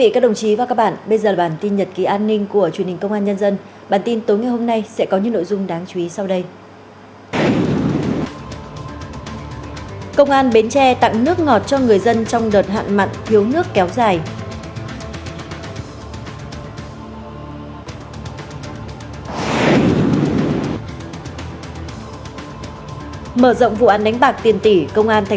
các bạn hãy đăng ký kênh để ủng hộ kênh của chúng mình nhé